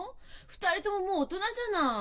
２人とももう大人じゃない。